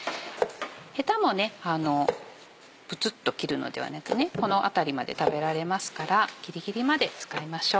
ヘタもぶつっと切るのではなくこの辺りまで食べられますからギリギリまで使いましょう。